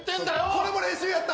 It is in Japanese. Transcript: これも練習やった！